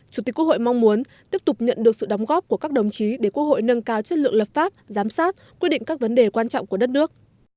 chủ tịch quốc hội mong muốn tiếp tục nhận được sự đóng góp của các đồng chí để quốc hội nâng cao chất lượng lập pháp giám sát quyết định các vấn đề quan trọng của đất nước